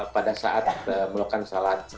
pada saat melakukan salat